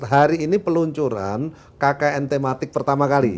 hari ini peluncuran kkn tematik pertama kali